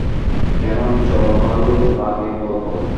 কেন জবা ভালো লাগে বলব?